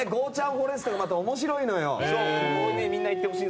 フォレストがまた面白いのよ。